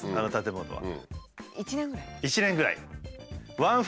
１年ぐらい。